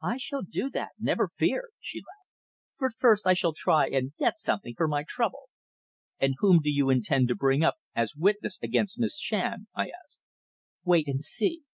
"I shall do that, never fear," she laughed. "But first I shall try and get something for my trouble." "And whom do you intend to bring up as witness against Miss Shand?" I asked. "Wait and see.